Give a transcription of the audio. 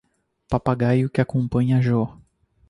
Papagaio que acompanha Jo